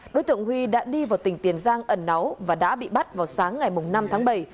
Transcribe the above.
đối tượng huy đã đi vào tỉnh tiền giang ẩn náu và đã bị bắt vào sáng ngày năm tháng bảy